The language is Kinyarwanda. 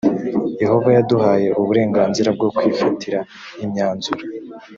yehova yaduhaye uburenganzira bwo kwifatira imyanzuro